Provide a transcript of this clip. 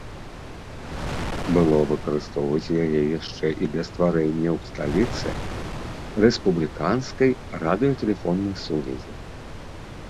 Было выкарыстоўваць яе яшчэ і для стварэння ў сталіцы рэспубліканскай радыётэлефоннай сувязі.